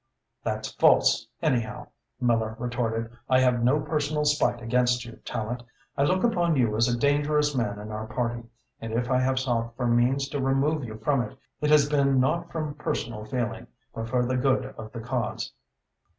"That's false, anyhow," Miller retorted. "I have no personal spite against you, Tallente. I look upon you as a dangerous man in our party, and if I have sought for means to remove you from it, it has been not from personal feeling, but for the good of the cause."